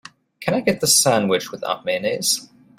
Can I get the sandwich without mayonnaise?